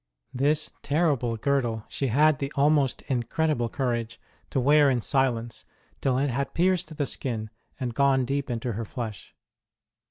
This terrible girdle she had the almost incredible courage to wear in silence till it had pierced the skin and gone deep into her flesh.